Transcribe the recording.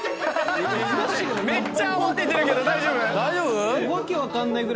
「めっちゃ泡出てるけど大丈夫⁉」